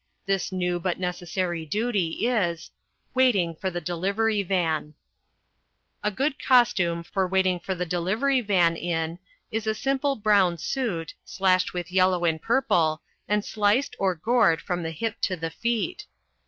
This new but necessary duty is WAITING FOR THE DELIVERY VAN A good costume for waiting for the delivery van in, is a simple brown suit, slashed with yellow and purple, and sliced or gored from the hip to the feet.